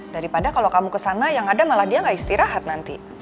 daripada kalau kamu kesana yang ada malah dia nggak istirahat nanti